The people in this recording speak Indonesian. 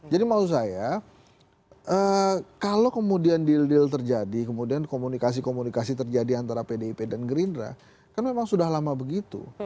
jadi maksud saya kalau kemudian deal deal terjadi kemudian komunikasi komunikasi terjadi antara pdip dan gerindra kan memang sudah lama begitu